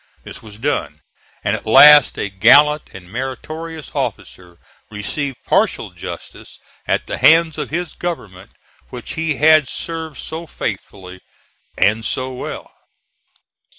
This was done, and at last a gallant and meritorious officer received partial justice at the hands of his government, which he had served so faithfully and so well.